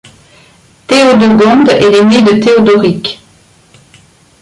Théodegonde est l'aînée de Théodoric.